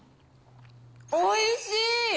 おいしい！